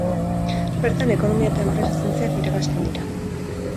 Bertan, Ekonomia eta Enpresa Zientziak irakasten dira.